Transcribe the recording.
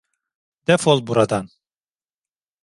Defol buradan.